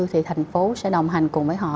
thì thành phố sẽ đồng hành cùng với họ